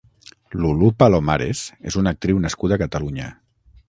Lulú Palomares és una actriu nascuda a Catalunya.